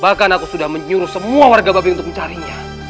bahkan aku sudah menyuruh semua warga babi untuk mencarinya